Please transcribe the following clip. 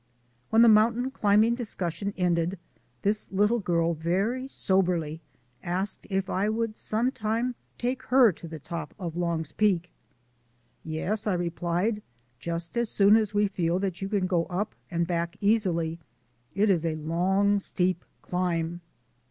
When the mountain climbing discussion ended this little girl very soberly asked if I would some time take her to the top of Long's Peak. "Yes," I replied, "just as soon as we feel that you can go up and back easily. It is a long, steep climb."